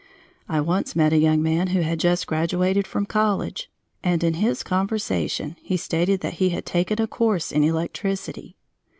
I once met a young man who had just graduated from college, and in his conversation he stated that he had taken a course in electricity.